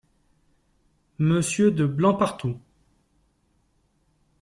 Monsieur DE BLANCPARTOUT MM.